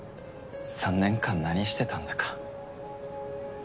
３年間何してたんだか。